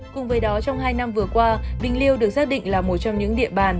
cùng với đó trong hai năm vừa qua bình liêu được xác định là một trong những địa bàn